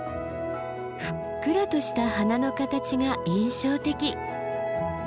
ふっくらとした花の形が印象的。